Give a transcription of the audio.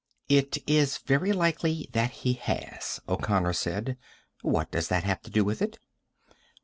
"It is very likely that he has," O'Connor said. "What does that have to do with it?"